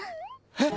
えっ！？